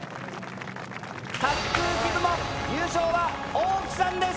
滑空機部門優勝は大木さんです。